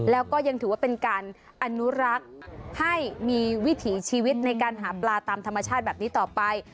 แล้วก็ยังถือว่าเป็นการอนุรักษ์ให้มีวิถีชีวิตในการหาปลาตามธรรมชาติแบบนี้ต่อไป